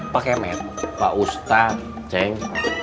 pak kemet pak ustadz ceng